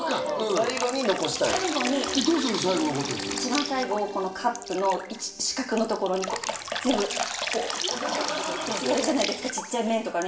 最後残ったやつ一番最後このカップの四角のところに全部こうやるじゃないですかちっちゃい麺とかね